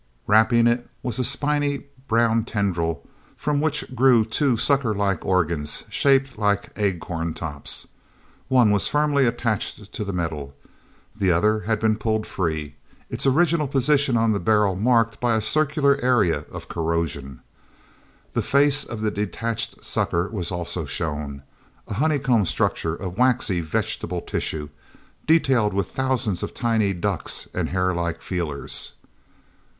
Wrapping it was a spiny brown tendril from which grew two sucker like organs, shaped like acorn tops. One was firmly attached to the metal. The other had been pulled free, its original position on the barrel marked by a circular area of corrosion. The face of the detached sucker was also shown a honeycomb structure of waxy vegetable tissue, detailed with thousands of tiny ducts and hairlike feelers.